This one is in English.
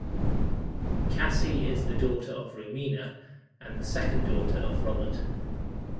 Cassie is the daughter of Romina and the second daughter of Robert.